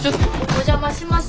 お邪魔します。